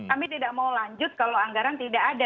kami tidak mau lanjut kalau anggaran tidak ada